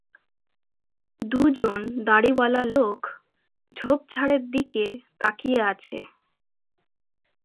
দু'জন দাড়িওয়ালা লোক ঝোপঝাড়ের দিকে তাকিয়ে আছে।